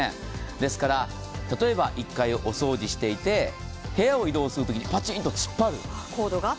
ですから、例えば１回お掃除していて、部屋を移動するときにパチンと引っ掛かる。